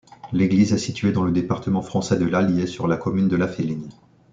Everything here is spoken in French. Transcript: L'église est située dans le département français de l'Allier, sur la commune de Laféline.